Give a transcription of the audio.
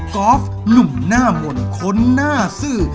กอล์ฟหนุ่มหน้าหม่นคนหน้าสือ